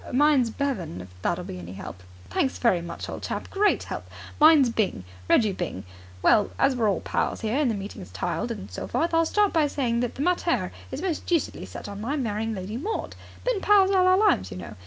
"Mine's Bevan, if that'll be any help." "Thanks very much, old chap. Great help! Mine's Byng. Reggie Byng. Well, as we're all pals here and the meeting's tiled and so forth, I'll start by saying that the mater is most deucedly set on my marrying Lady Maud. Been pals all our lives, you know.